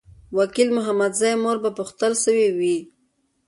وکیل محمدزی مور به پوښتل سوې وي.